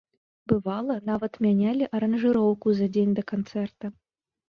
Бывала, нават мянялі аранжыроўку за дзень да канцэрта.